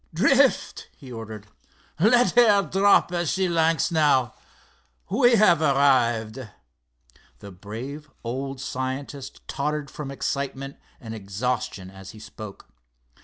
"Drift!" he ordered—"let her drop as she likes now—we have arrived!" The brave old scientist tottered from excitement and exhaustion as he spoke.